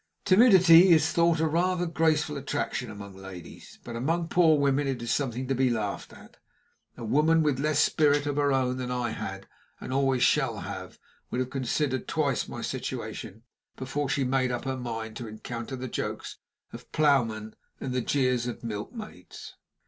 Timidity is thought rather a graceful attraction among ladies, but among poor women it is something to be laughed at. A woman with less spirit of her own than I had, and always shall have, would have considered twice in my situation before she made up her mind to encounter the jokes of plowmen and the jeers of milkmaids.